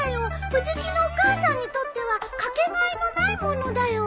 藤木のお母さんにとってはかけがえのない物だよ。